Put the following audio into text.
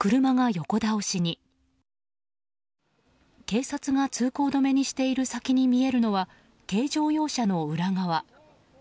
警察が通行止めにしている先に見えるのは軽乗用車の裏側。